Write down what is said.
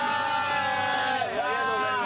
ありがとうございます。